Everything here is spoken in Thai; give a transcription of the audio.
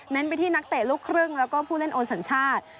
ไปที่นักเตะลูกครึ่งแล้วก็ผู้เล่นโอนสัญชาติ